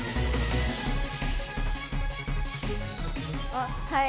あっはい！